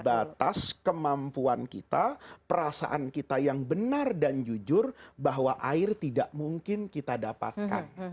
batas kemampuan kita perasaan kita yang benar dan jujur bahwa air tidak mungkin kita dapatkan